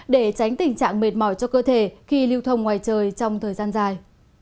để tránh tình trạng mệt mỏi cho cơ thể khi lưu thông ngoài trời trong thời gian dài